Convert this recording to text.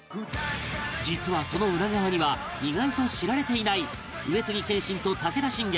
実はその裏側には意外と知られていない上杉謙信と武田信玄